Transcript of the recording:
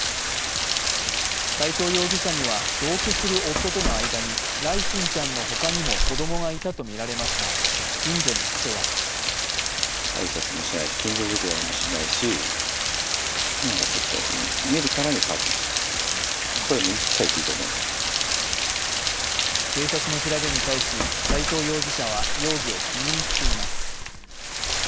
斉藤容疑者には、同居する夫との間に、來心ちゃんの他にも子供がいたとみられますが近所の人は警察の調べに対し斉藤容疑者は容疑を否認しています。